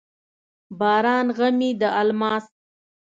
باران غمي د الماس،